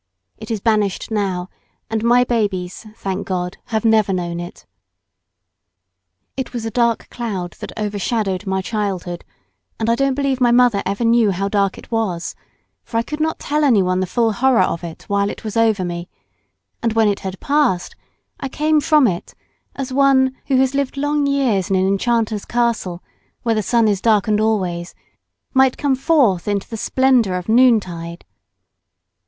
It is banished now, and my babies, thank God, never have known it. It was a dark cloud that overshadowed my childhood, and I don't believe my mother ever knew how dark it was, for I could not tell anyone the full horror of it while it was over me; and when it had passed I came from under it, as one who has lived long years in an enchanter's castle, where the sun is darkened always, might come forth into the splendour of noontide.